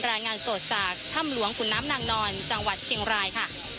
รายงานสดจากถ้ำหลวงขุนน้ำนางนอนจังหวัดเชียงรายค่ะ